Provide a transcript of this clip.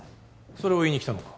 それを言いに来たのか？